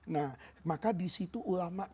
nah maka disitu ulama